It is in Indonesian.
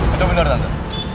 itu bener tante